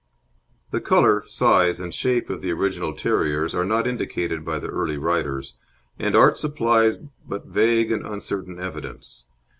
The colour, size, and shape of the original terriers are not indicated by the early writers, and art supplies but vague and uncertain evidence.